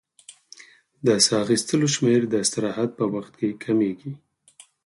د سا اخیستلو شمېر د استراحت په وخت کې کمېږي.